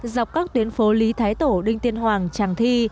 dọc các tuyến phố lý thái tổ đinh tiên hoàng tràng thi